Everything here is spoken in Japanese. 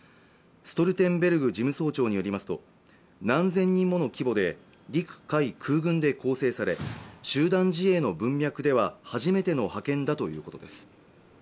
ストルテンベルグ事務総長によりますと何千人もの規模で陸・海・空軍で構成され集団自衛の文脈では初めての派遣だということです